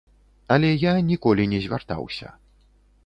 Але я ніколі не звяртаўся.